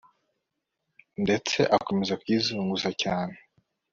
ndetse akomeza kuyizunguza cyane